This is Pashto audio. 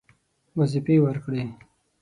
وظیفې ورکړې.